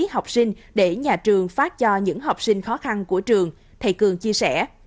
học sinh để nhà trường phát cho những học sinh khó khăn của trường thầy cường chia sẻ